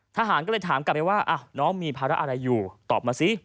ทหารก็เลยถามกลับไปว่าน้องมีภาระอะไรอยู่ตอบมาสิ